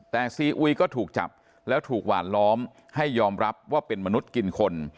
แต่ซีอุยก็ถูกจับแล้วถูกหวานล้อมให้ยอมรับว่าเป็นมนุษย์กินคน